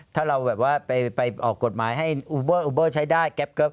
ถ้าเราแบบว่าไปออกกฎหมายให้อูเบอร์อูเบอร์ใช้ได้